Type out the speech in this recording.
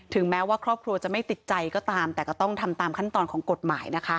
แม้ว่าครอบครัวจะไม่ติดใจก็ตามแต่ก็ต้องทำตามขั้นตอนของกฎหมายนะคะ